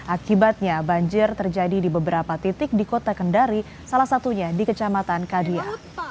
akibatnya banjir terjadi di beberapa titik di kota kendari salah satunya di kecamatan kadia